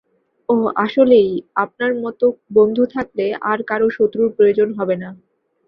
ওহ আসলেই, আপনার মতো বন্ধু থাকলে আর কারো শত্রুর প্রয়োজন হবেনা।